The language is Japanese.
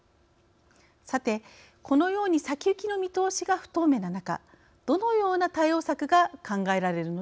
さてこのように先行きの見通しが不透明な中どのような対応策が考えられるのでしょうか。